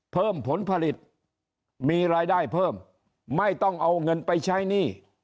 เพิ่มผลผลิตมีรายได้เพิ่มไม่ต้องเอาเงินไปใช้หนี้